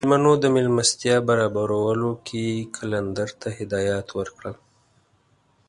د میلمنو د میلمستیا برابرولو کې یې قلندر ته هدایات ورکړل.